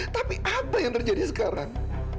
tapi apa yang terjadi sekarang